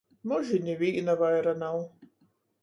Mož i nivīna vaira nav...